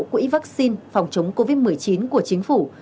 quỹ vaccine phòng chống covid một mươi chín của chính phủ